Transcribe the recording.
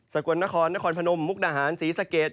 สะกวนนครนครพนมมุกนหาญศรีสะเกด